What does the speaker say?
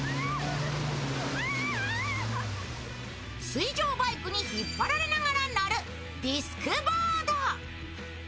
水上バイクに引っ張られながら乗るディスクボード。